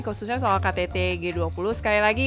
khususnya soal ktt g dua puluh